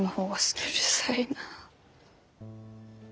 うるさいな。